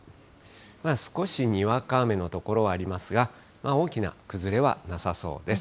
少しにわか雨の所はありますが、大きな崩れはなさそうです。